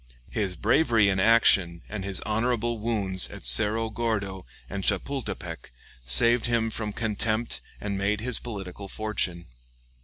His bravery in action and his honorable wounds at Cerro Gordo and Chapultepec saved him from contempt and made his political fortune.